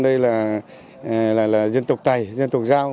đây là dân tộc tài dân tộc giao